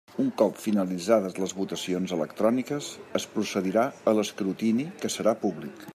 Un cop finalitzades les votacions electròniques, es procedirà a l'escrutini, que serà públic.